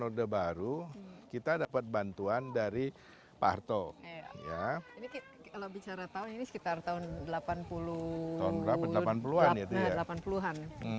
orde baru kita dapat bantuan dari pak harto ini kalau bicara tahun ini sekitar tahun delapan puluh an